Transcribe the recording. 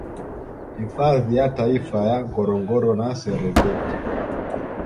Hifadhi ya Taifa ya Ngorongoro na Serengeti